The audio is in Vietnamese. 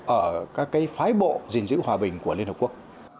ở các phái bộ gìn giữ hòa bình của liên hợp quốc